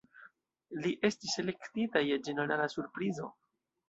Li estis elektita je ĝenerala surprizo.